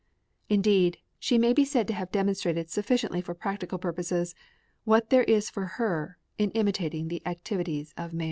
Indeed, she may be said to have demonstrated sufficiently for practical purposes what there is for her in imitating the activities of man.